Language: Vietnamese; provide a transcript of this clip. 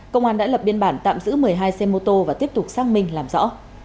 công an đã lập biên bản tạm giữ một mươi hai xe mô tô và tiếp tục xác minh làm rõ